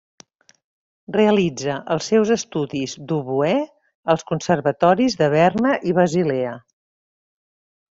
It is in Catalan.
Realitza els seus estudis d'oboè als conservatoris de Berna i Basilea.